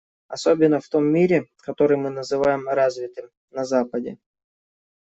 Особенно в том мире, который мы называем «развитым» - на Западе.